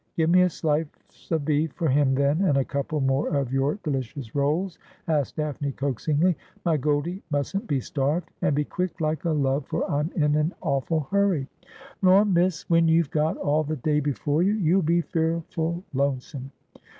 ' Give me a slice of beef for him then, and a couple more of your delicious rolls,' asked Daphne coaxingly. ' My G oldie mustn't be starved. And be quick, like a love, for I'm in an awful hurry.' ' Lor, miss, when you've got all the day before you ! You'll be fearful lonesome.'